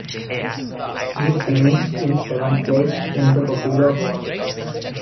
He finished in seventh place in the popular vote.